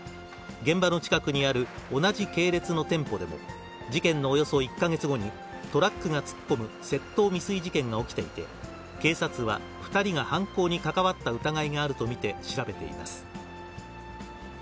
現場の近くにある同じ系列の店舗でも、事件のおよそ１か月後にトラックが突っ込む窃盗未遂事件が起きていて、警察は２人が犯行に関わった疑いがあると見て調べています。